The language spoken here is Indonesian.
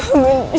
hari yang terbaik